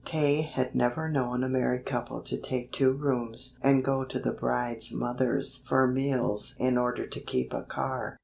K. had never known a married couple to take two rooms and go to the bride's mother's for meals in order to keep a car.